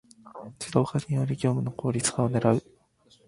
ⅱ 自動化により業務の効率化を狙う